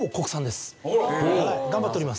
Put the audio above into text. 頑張っております。